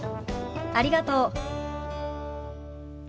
ありがとう。